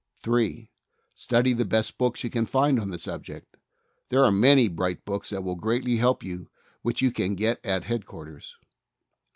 3. Study the best books you can find on the subject. There are many bright books that will greatly help you which you can get at Headquarters.